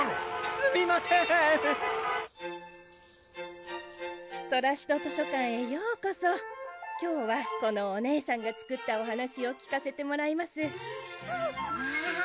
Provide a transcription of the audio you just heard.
すみませんソラシド図書館へようこそ今日はこのお姉さんが作ったお話を聞かせてもらいます